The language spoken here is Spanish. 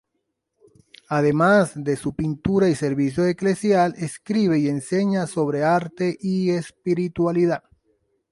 Además de su pintura y servicio eclesial, escribe y enseña sobre arte y espiritualidad.